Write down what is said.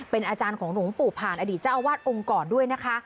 เป็นอาจารย์ของหลวงปู่ผ่านอดีตเจ้าอาวาสองค์ก่อนด้วยนะคะ